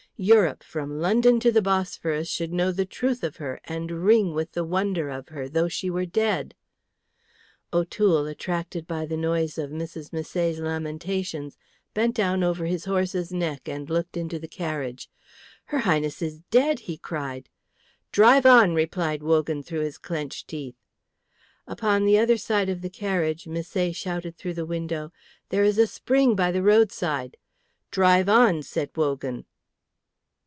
Europe from London to the Bosphorus should know the truth of her and ring with the wonder of her, though she were dead. O'Toole, attracted by the noise of Mrs. Misset's lamentations, bent down over his horse's neck and looked into the carriage. "Her Highness is dead!" he cried. "Drive on," replied Wogan, through his clenched teeth. Upon the other side of the carriage, Misset shouted through the window, "There is a spring by the roadside." "Drive on," said Wogan.